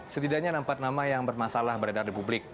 setidaknya nampak nama yang bermasalah beredar di publik